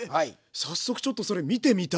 早速ちょっとそれ見てみたい。